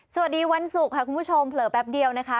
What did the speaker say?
สวัสดีวันศุกร์ค่ะคุณผู้ชมเผลอแป๊บเดียวนะคะ